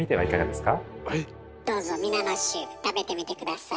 どうぞ皆の衆食べてみて下さい。